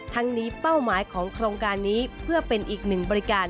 ทั้งนี้เป้าหมายของโครงการนี้เพื่อเป็นอีกหนึ่งบริการ